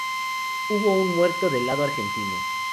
Hubo un muerto del lado argentino.